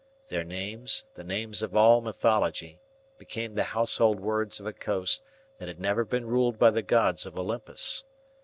Their names, the names of all mythology, became the household words of a coast that had never been ruled by the gods of Olympus.